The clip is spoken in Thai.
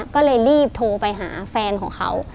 ก็เลยรีบโทรไปหาแฟนของเขา